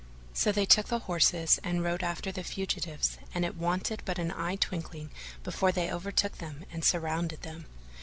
So they took horse and rode after the fugitives and it wanted but an eye twinkling before they overtook them; and surrounded them.